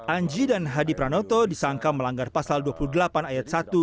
anji dan hadi pranoto disangka melanggar pasal dua puluh delapan ayat satu